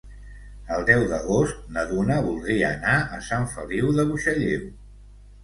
El deu d'agost na Duna voldria anar a Sant Feliu de Buixalleu.